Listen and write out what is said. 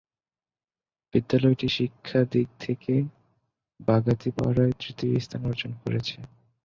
বিদ্যালয়টি শিক্ষা দিক থেকে বাগাতিপাড়ায় তৃতীয় স্থান অর্জন করেছে